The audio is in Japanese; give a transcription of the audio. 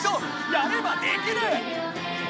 やればできる！